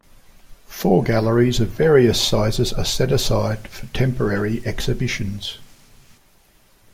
Four galleries of various sizes are set aside for temporary exhibitions.